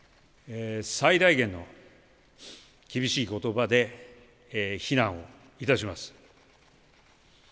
最大限の厳しいことばで非難をいたします。